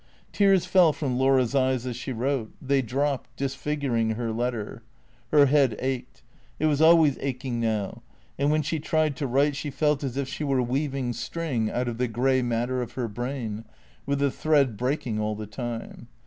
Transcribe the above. Tears fell from Laura's eyes as she wrote; they dropped, disfiguring her letter. Her head ached. It was always aching now. And when she tried to write she felt as if she were weaving string out of the grey matter of her brain, with the thread breaking all the time.